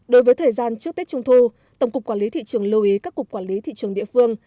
đối với thời gian trước tết trung thu tổng cục quản lý thị trường lưu ý các cục quản lý thị trường địa phương